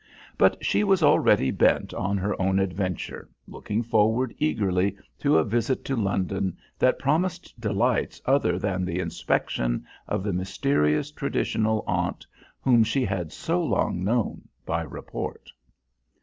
But she was already bent on her own adventure, looking forward eagerly to a visit to London that promised delights other than the inspection of the mysterious, traditional aunt whom she had so long known by report.